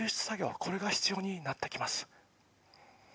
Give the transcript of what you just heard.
これが必要になってきます。